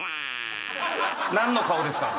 何の顔ですか？